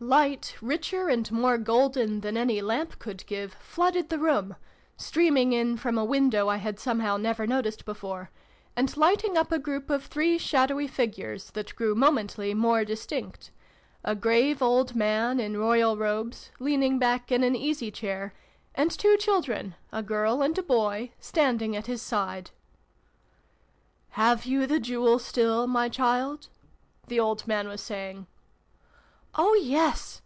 Light, richer and more golden than any lamp could give, flooded the room, 408 SYLVIE AND BRUNO CONCLUDED. streaming in from a window I had somehow never noticed before, and lighting up a group of three shadowy figures, that grew momently more distinct a grave old man in royal robes, leaning back in an easy chair, and two children, a girl and a boy, standing at his side. " Have you the Jewel still, my child ?" the old man was saying. " Oh, yes